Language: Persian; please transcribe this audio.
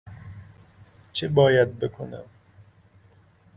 چه باید بکنم؟